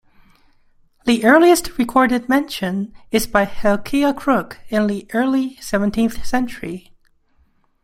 The earliest recorded mention is by Helkiah Crooke in the early seventeenth century.